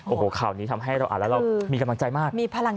โอ้โหข่าวนี้ทำให้เราอ่านแล้วเรามีกำลังใจมาก